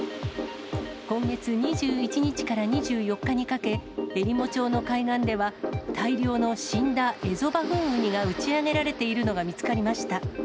今月２１日から２４日にかけ、えりも町の海岸では、大量の死んだエゾバフンウニが打ち上げられているのが見つかりました。